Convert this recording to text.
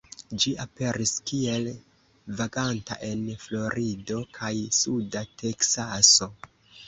Ĝi aperis kiel vaganta en Florido kaj suda Teksaso.